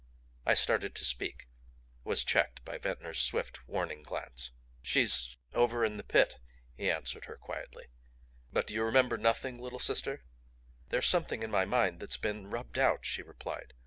I started to speak was checked by Ventnor's swift, warning glance. "She's over in the Pit," he answered her quietly. "But do you remember nothing, little sister?" "There's something in my mind that's been rubbed out," she replied.